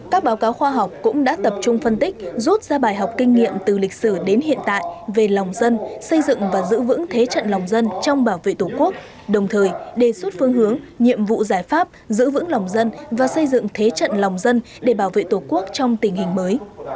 các báo cáo khoa học cũng đã tập trung phân tích rút ra bài học kinh nghiệm từ lịch sử đến hiện tại về lòng dân xây dựng và giữ vững thế trận lòng dân trong bảo vệ tổ quốc đồng thời đề xuất phương hướng nhiệm vụ giải pháp giữ vững lòng dân và xây dựng thế trận lòng dân để bảo vệ tổ quốc trong tình hình mới